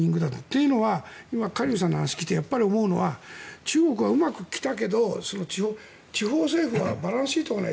というのは、今カ・リュウさんの話を聞いて思うのは中国はうまく来たけど地方政府はバランスシートがない。